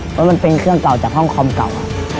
เพราะมันเป็นเครื่องเก่าจากห้องคอมเก่า